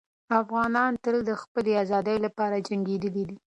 افغانان تل د خپلې ازادۍ لپاره جنګېدلي دي.